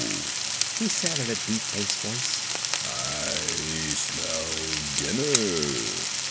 he said in a deep bass voice; "I smell dinner."